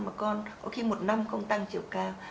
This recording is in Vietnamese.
mà con có khi một năm không tăng chiều cao